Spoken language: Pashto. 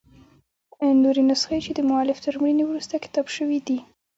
نوري نسخې، چي دمؤلف تر مړیني وروسته کتابت سوي يي.